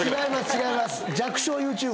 違います